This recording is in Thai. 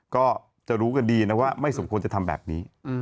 ก็จะรู้กันดีนะว่าไม่สมควรจะทำแบบนี้